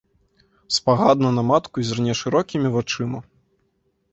Спагадна на матку зірне шырокімі вачыма.